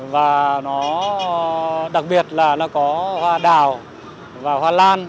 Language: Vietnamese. và nó đặc biệt là nó có hoa đào và hoa lan